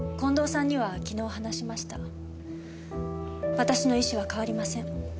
私の意思は変わりません。